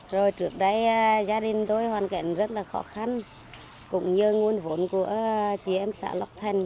rồi trước đây gia đình tôi hoàn cảnh rất là khó khăn cũng như nguồn vốn của chị em xã lộc thành